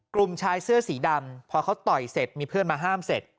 กลุ่มชายเสื้อสีดำพอเขาต่อยเสร็จมีเพื่อนมาห้ามเสร็จ